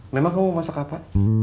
memang kamu masak apa